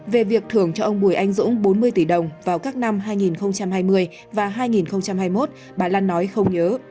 về việc thưởng cho ông bùi anh dũng bốn mươi tỷ đồng vào các năm hai nghìn hai mươi và hai nghìn hai mươi một bà lan nói không nhớ